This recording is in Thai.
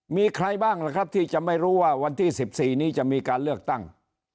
มีใครบ้างล่ะครับที่จะไม่รู้ว่าวันที่๑๔นี้จะมีการเลือกตั้ง